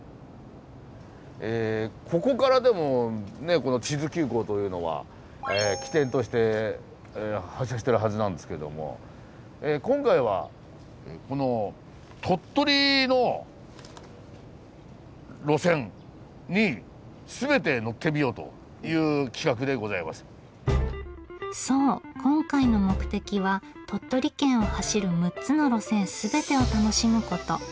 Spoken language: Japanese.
えここからでもね智頭急行というのは起点として発車してるはずなんですけども今回はこのそう今回の目的は鳥取県を走る６つの路線すべてを楽しむこと。